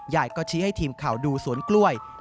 ยายก็ชี้ให้ทีมข่าวดูสวนกล้วย